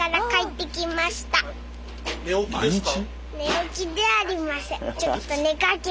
寝起きですか？